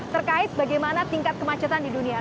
terkait bagaimana tingkat kemacetan di dunia